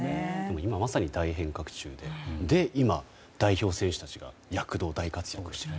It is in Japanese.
今まさに大変革中で代表選手たちが躍動、大活躍している。